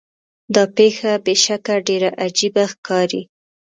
دا پیښه بې شکه ډیره عجیبه ښکاري.